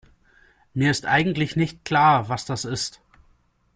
Mir ist eigentlich nicht klar, was das ist.